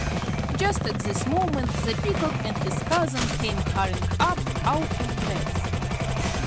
Just at this moment the Peacock and his cousin came hurrying up out of breath.